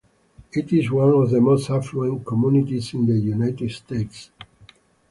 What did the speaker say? It is one of the most affluent communities in the United States.